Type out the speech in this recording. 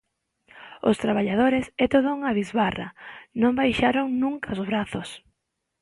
Os traballadores, e toda unha bisbarra, non baixaron nunca os brazos.